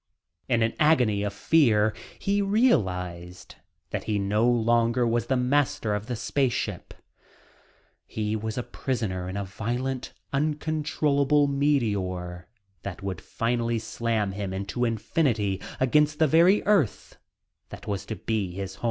In an agony of fear he realized that he no longer was the master of the space ship he was a prisoner in a violent, uncontrollable meteor that would finally slam him into infinity against the very earth that was to be home...